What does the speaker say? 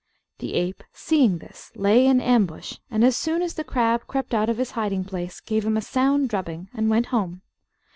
The ape, seeing this, lay in ambush, and as soon as the crab crept out of his hiding place gave him a sound drubbing, and went home.